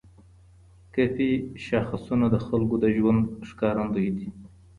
کيفي شاخصونه د خلګو د ژوند ښکارندوی دي.